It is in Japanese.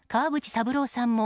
三郎さんも